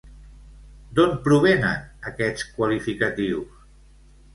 D'on provenen aquests qualificatius?